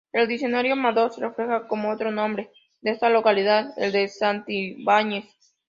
El Diccionario Madoz refleja como otro nombre de esta localidad el de Santibáñez.